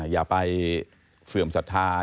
อย่าไปเสื่อมศรัทธา